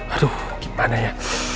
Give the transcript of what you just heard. aduh gimana ya